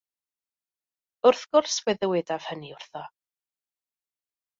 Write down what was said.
Wrth gwrs fe ddywedaf hynny wrtho.